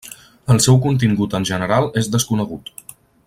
El seu contingut en general és desconegut.